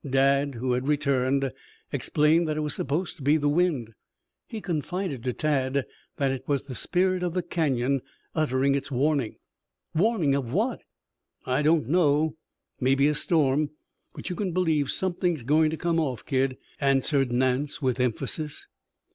Dad, who had returned, explained that it was supposed to be the wind. He confided to Tad that it was the spirit of the Canyon uttering its warning. "Warning of what?" "I don't know. Maybe a storm. But you can believe something's going to come off, kid," answered Nance with emphasis.